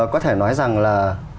có thể nói rằng là